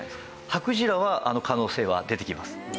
ハクジラは可能性は出てきます。